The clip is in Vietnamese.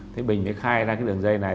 thế bình sẽ khai ra cái đường dây này